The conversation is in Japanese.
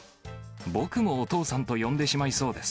僕もお父さんと呼んでしまいそうです。